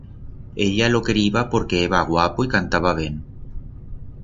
Ella lo queriba porque eba guapo y cantaba ben.